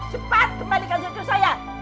cepat kembalikan suku saya